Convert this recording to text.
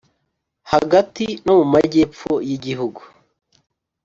hagati no mu magepfo y igihugu